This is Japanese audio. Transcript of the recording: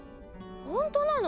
ほんとなの？